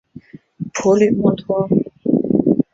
普吕默托。